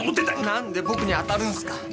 何で僕に当たるんすか。